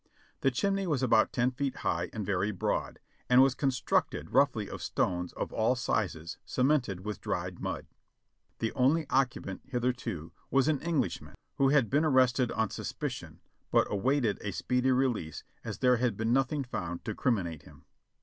The chimney was about ten feet high and very broad, and was con structed roughly of stones of all sizes cemented with dried mud. The only occupant hitherto was an Englishman, who had been arrested on suspicion, but awaited a speedy release, as there had been nothing found to criminate him.